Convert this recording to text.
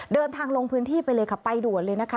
เดินทางลงพื้นที่ไปเลยค่ะไปด่วนเลยนะคะ